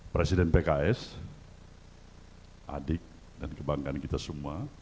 presiden pks adik dan kebanggaan kita semua